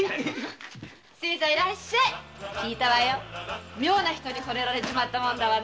新さん妙な人に惚れられちまったもんだわね。